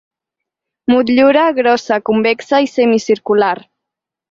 Motllura grossa convexa i semicircular.